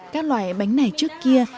các loại bánh này trước kia